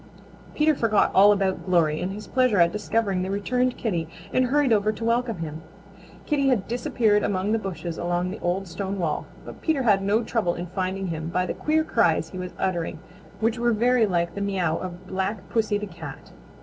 Peter forgot all about Glory in his pleasure at discovering the returned Kitty and hurried over to welcome him. Kitty had disappeared among the bushes along the old stone wall, but Peter had no trouble in finding him by the queer cries he was uttering, which were very like the meow of Black Pussy the Cat.